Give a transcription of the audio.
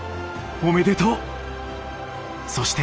おめでとう。